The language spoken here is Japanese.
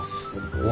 うわ！